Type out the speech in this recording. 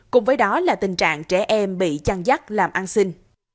cùng với đó là tình trạng trẻ em bị chăn dắt làm ăn xin